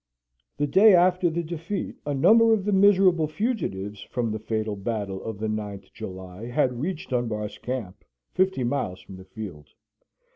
The day after the defeat a number of the miserable fugitives from the fatal battle of the 9th July had reached Dunbar's camp, fifty miles from the field.